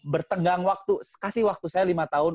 bertenggang waktu kasih waktu saya lima tahun